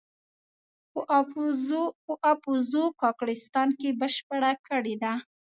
په اپوزو کاکړستان کې بشپړه کړې ده.